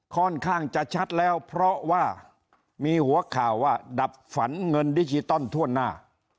ค่อนข้างจะชัดแล้วเพราะว่ามีหัวข่าวว่าดับฝันเงินดิจิตอลทั่วหน้า